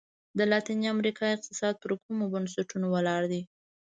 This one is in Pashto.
د لاتیني امریکا اقتصاد پر کومو بنسټونو ولاړ دی؟